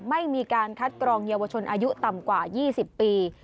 ไม่มีการคัดกรองเยาวชนอายุต่ำกว่า๒๐ปี